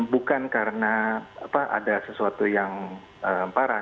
bukan karena ada sesuatu yang parah